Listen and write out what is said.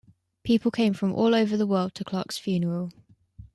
People came from all over the world to Clark's funeral.